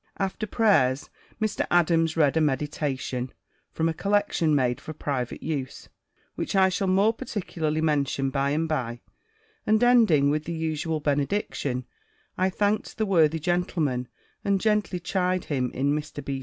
After prayers, Mr. Adams reads a meditation, from a collection made for private use, which I shall more particularly mention by and by; and ending with the usual benediction, I thanked the worthy gentleman, and gently chid him in Mr. B.'